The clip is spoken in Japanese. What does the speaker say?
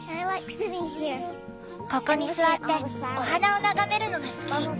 ここに座ってお花を眺めるのが好き。